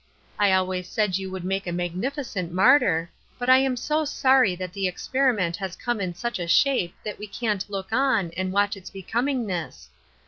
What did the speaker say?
I always said you would make a magnificent martyr, but I am so sorry that the experiment has come in such a shape that we can't look on and watch its becom ingness.